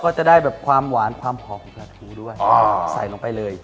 ก็จะได้แบบความหวานความหอมของปลาทูด้วยใส่ลงไปเลย